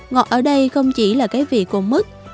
ngọt ở đây không chỉ là cái vị của mức